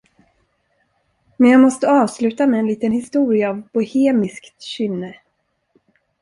Men jag måste avsluta med en liten historia av bohemiskt kynne.